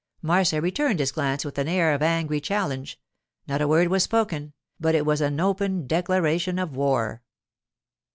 Marcia returned his glance with an air of angry challenge; not a word was spoken, but it was an open declaration of war.